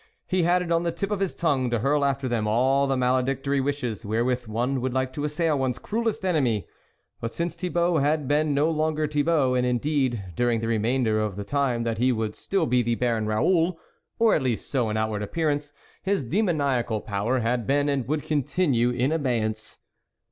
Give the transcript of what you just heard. He had it on the tip of his tongue to hurl after them all the maledictory wishes wherewith one would like to assail one's cruellest enemy. But since Thibault had been no longer Thi bault, and indeed during the remainder of the time that he would still be the Baron Raoul, or at least so in outward appear ance, his demoniacal power had been and would continue in abeyance.